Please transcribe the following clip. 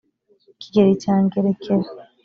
kigeli cya ngerekera